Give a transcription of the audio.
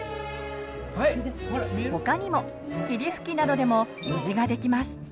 他にも霧吹きなどでも虹ができます。